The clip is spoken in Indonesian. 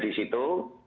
ada di situ